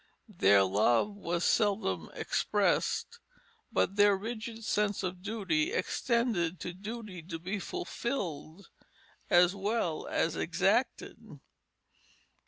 Their love was seldom expressed, but their rigid sense of duty extended to duty to be fulfilled as well as exacted.